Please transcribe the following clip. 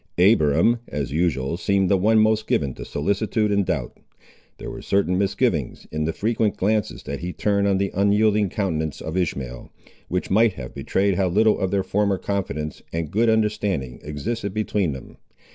Abiram, as usual, seemed the one most given to solicitude and doubt. There were certain misgivings, in the frequent glances that he turned on the unyielding countenance of Ishmael, which might have betrayed how little of their former confidence and good understanding existed between them.